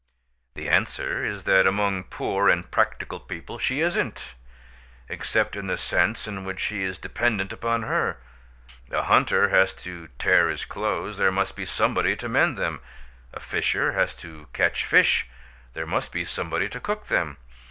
The answer is that among poor and practical people she isn't; except in the sense in which he is dependent upon her. A hunter has to tear his clothes; there must be somebody to mend them. A fisher has to catch fish; there must be somebody to cook them.